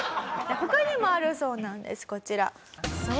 他にもあるそうなんですこちら。